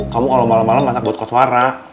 kamu kalo malem malem masak buat koswara